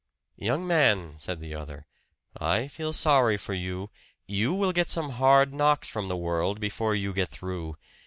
"Young man," said the other, "I feel sorry for you you will get some hard knocks from the world before you get through.